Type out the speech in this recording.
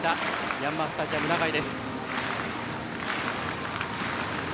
ヤンマースタジアム長居。